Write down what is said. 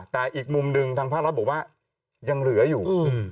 แต่อีกมุมหนึ่งทางภาครัฐบอกว่ายังเหลืออยู่